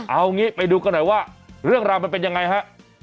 เอางี้ไปดูกันหน่อยว่าเรื่องราวมันเป็นยังไงฮะ